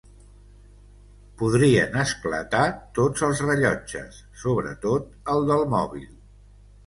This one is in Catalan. Podrien esclatar tots els rellotges, sobretot el del mòbil.